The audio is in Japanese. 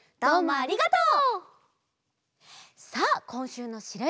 ありがとう！